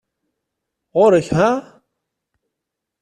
Ɣuṛ-k ha!